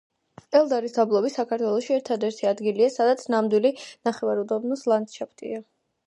ელდარის დაბლობი საქართველოში ერთადერთი ადგილია, სადაც ნამდვილი ნახევარუდაბნოს ლანდშაფტია.